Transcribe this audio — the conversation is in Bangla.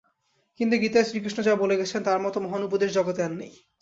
কিন্তু গীতায় শ্রীকৃষ্ণ যা বলে গেছেন, তার মত মহান উপদেশ জগতে আর নেই।